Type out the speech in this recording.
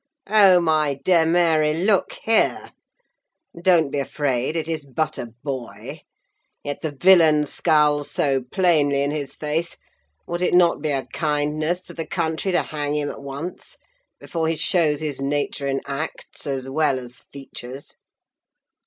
Oh, my dear Mary, look here! Don't be afraid, it is but a boy—yet the villain scowls so plainly in his face; would it not be a kindness to the country to hang him at once, before he shows his nature in acts as well as features?